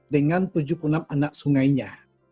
dengan tujuh puluh enam anak sungainya